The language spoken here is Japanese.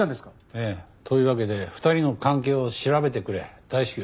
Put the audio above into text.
ええ。というわけで２人の関係を調べてくれ大至急。